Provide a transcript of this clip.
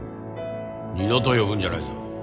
二度と呼ぶんじゃないぞ。